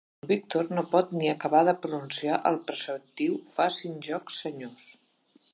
El Víctor no pot ni acabar de pronunciar el preceptiu facin joc, senyors.